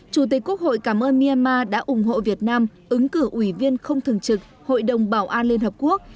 chủ tịch quốc hội cảm ơn myanmar đã ủng hộ việt nam ứng cử ủy viên không thường trực hội đồng bảo an liên hợp quốc